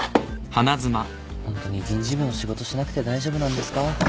ホントに人事部の仕事しなくて大丈夫なんですか？